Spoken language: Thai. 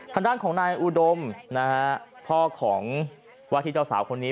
ทางด้านของนายอุดมนะฮะพ่อของวาที่เจ้าสาวคนนี้